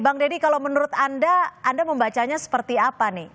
bang deddy kalau menurut anda anda membacanya seperti apa nih